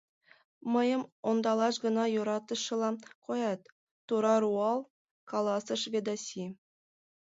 Мыйым ондалаш гына йӧратышыла коят, — тура руал каласыш Ведаси.